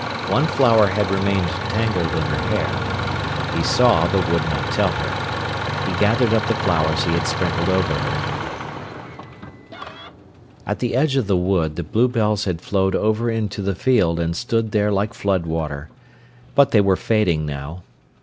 One flower had remained tangled in her hair. He saw, but would not tell her. He gathered up the flowers he had sprinkled over her. At the edge of the wood the bluebells had flowed over into the field and stood there like flood water. But they were fading now.